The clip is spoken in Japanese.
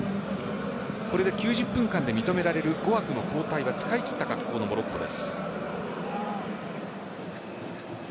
９０分間で認められる５枠の交代は使い切った格好のモロッコです。